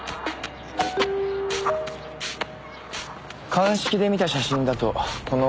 鑑識で見た写真だとこの辺りですね